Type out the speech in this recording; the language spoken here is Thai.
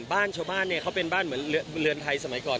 บ้านชาวบ้านเนี่ยเขาเป็นบ้านเหมือนเรือนไทยสมัยก่อน